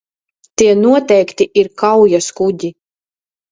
Tie noteikti ir kaujaskuģi.